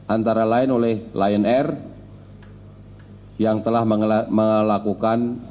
antara lain oleh lion air yang telah melakukan